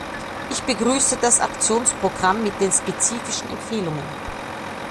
Ich begrüße das Aktionsprogramm mit den spezifischen Empfehlungen.